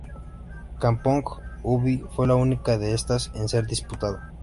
Kampong Ubi fue la única de estas en ser disputada.